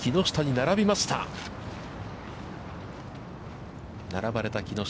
並ばれた木下。